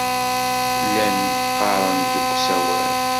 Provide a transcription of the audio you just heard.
Llan ɣɣaren-d deg usawal.